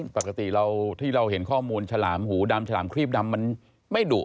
ปกติข้อมูลฉรามหู้ดำฉรามครีบดำมันไม่ดุ